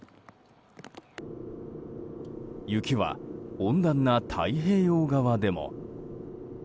雪は、温暖な太平洋側でも。